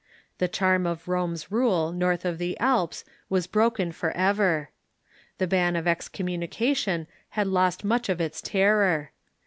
The charm of Rome's rule north of the Alps was broken forever. The ban of excommunication had lost much of its terror.